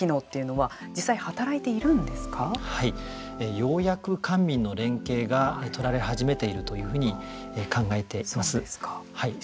ようやく官民の連携が取られ始めているというふうに考えています。